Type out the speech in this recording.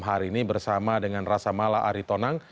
hari ini bersama dengan rasa mala aritonang